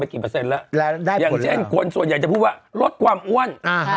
กี่เปอร์เซ็นต์แล้วอย่างเช่นคนส่วนใหญ่จะพูดว่าลดความอ้วน